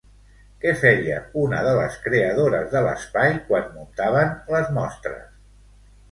Què feia una de les creadores de l'espai quan muntaven les mostres?